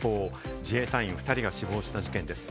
自衛隊員２人が死亡した事件です。